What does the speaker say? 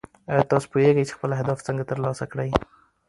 ایا تاسو پوهېږئ چې خپل اهداف څنګه ترلاسه کړئ؟